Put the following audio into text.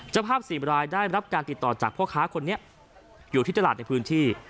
ภาพ๔รายได้รับการติดต่อจากพ่อค้าคนนี้อยู่ที่ตลาดในพื้นที่